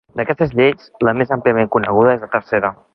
D'aquestes lleis, la més àmpliament coneguda és la tercera.